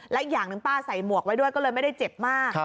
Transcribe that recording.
และอีกอย่างหนึ่งป้าใส่หมวกไว้ด้วยก็เลยไม่ได้เจ็บมาก